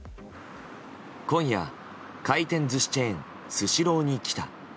今夜、回転寿司チェーンスシローに来た。